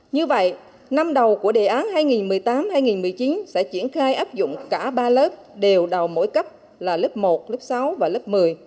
như vậy năm đầu của đề án hai nghìn một mươi tám hai nghìn một mươi chín sẽ triển khai áp dụng cả ba lớp đều đầu mỗi cấp là lớp một lớp sáu và lớp một mươi